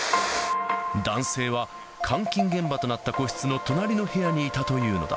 男性は、監禁現場となった個室の隣の部屋にいたというのだ。